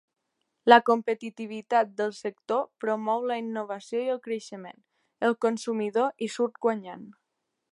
La competitivitat del sector promou la innovació i el creixement. El consumidor hi surt guanyant.